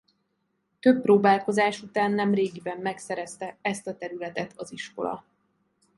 Több próbálkozás után nemrégiben megszerezte ezt a területet az iskola.